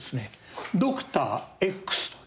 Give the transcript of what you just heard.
『ドクターＸ』という。